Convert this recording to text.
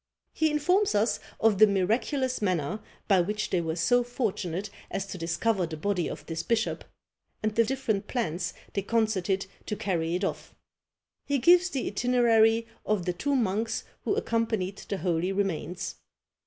He informs us of the miraculous manner by which they were so fortunate as to discover the body of this bishop, and the different plans they concerted to carry it off. He gives the itinerary of the two monks who accompanied the holy remains.